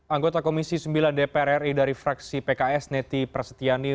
anggota komisi sembilan dpr ri dari fraksi pks neti prasetyani